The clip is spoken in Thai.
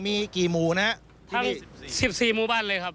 มีกี่หมู่นะฮะทั้ง๑๔หมู่บ้านเลยครับ